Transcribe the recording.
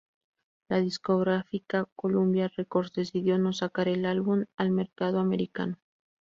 La discográfica Columbia Records decidió no sacar el álbum al mercado americano.